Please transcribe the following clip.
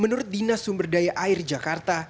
menurut dinas sumberdaya air jakarta